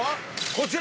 こちら。